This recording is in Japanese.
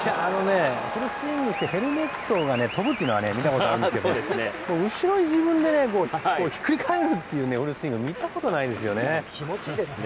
フルスイングしてヘルメットが飛ぶことは見たことがあるんですが後ろに自分でひっくり返るフルスイングは見たことないですよね。